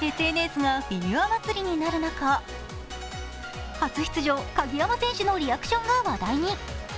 ＳＮＳがフィギュア祭りになる中、初出場、鍵山選手のリアクションが話題に。